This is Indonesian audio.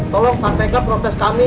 tolong sampaikan protes kami ke madui